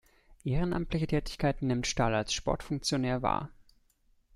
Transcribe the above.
Ehrenamtliche Tätigkeiten nimmt Stahl als Sportfunktionär wahr.